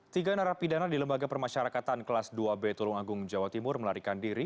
tiga narapidana di lembaga permasyarakatan kelas dua b tulung agung jawa timur melarikan diri